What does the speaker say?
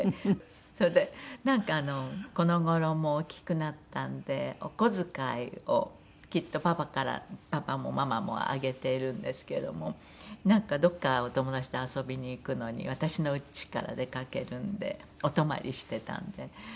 それでなんかこの頃もう大きくなったんでお小遣いをきっとパパからパパもママもあげてるんですけどもなんかどこかお友達と遊びに行くのに私のうちから出かけるのでお泊まりしてたんで。